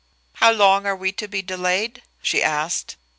"How long are we to be delayed?" she asked.